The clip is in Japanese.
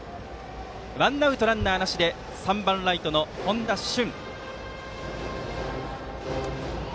ワンアウトランナーなしで３番、ライトの本多駿。